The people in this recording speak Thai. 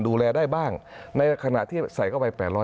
ดูแลได้บ้างในขณะที่ใส่เข้าไป๘๐๐